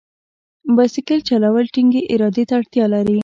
بایسکل چلول ټینګې ارادې ته اړتیا لري.